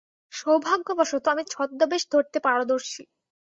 সৌভাগ্যবশত, আমি ছদ্মবেশ ধরতে পারদর্শী।